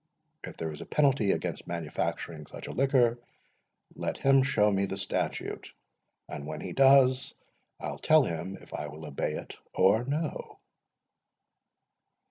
If there is a penalty against manufacturing such a liquor, let him show me the statute; and when he does, I'll tell him if I will obey it or no.